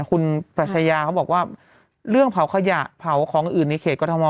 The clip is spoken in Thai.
คุณปรัชญาเขาบอกว่าเรื่องเผาขยะเผาของอื่นในเขตกรทม